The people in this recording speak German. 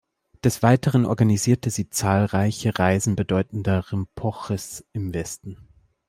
Des Weiteren organisierte sie zahlreiche Reisen bedeutender Rinpoches im Westen.